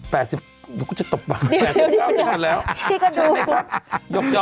เดี๋ยวก็จะตบปาก๘๐ปี๙จะถัดแล้วฉันนะครับยอบ